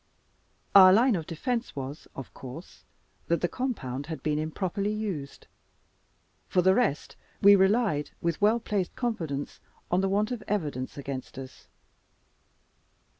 Our line of defense was, of course, that the compound had been improperly used. For the rest, we relied with well placed confidence on the want of evidence against us.